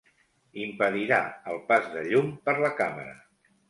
Impedirà el pas de llum per la càmera.